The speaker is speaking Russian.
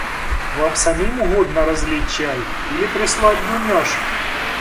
Вам самим угодно разлить чай или прислать Дуняшу?